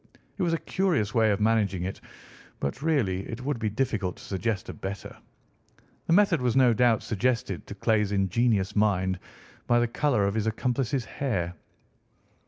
It was a curious way of managing it, but, really, it would be difficult to suggest a better. The method was no doubt suggested to Clay's ingenious mind by the colour of his accomplice's hair.